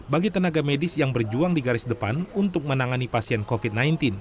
bagi tenaga medis yang berjuang di garis depan untuk menangani pasien covid sembilan belas